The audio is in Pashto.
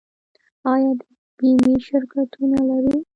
آیا د بیمې شرکتونه لرو؟